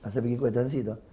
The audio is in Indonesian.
saya bikin keuetansi